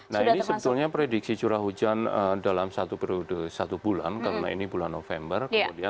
nah ini sebetulnya prediksi curah hujan dalam satu periode satu bulan karena ini bulan november